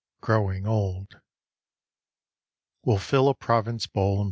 GROWING OLD We'll fill a Provence bowl and.